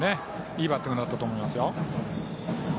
いいバッティングだったと思いますよ。